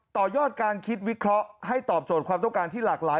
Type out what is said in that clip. ต่อยอดการคิดวิเคราะห์ให้ตอบโจทย์ความต้องการที่หลากหลาย